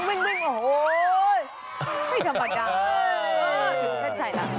ไม่ธรรมดาถูกเข้าใจแล้ว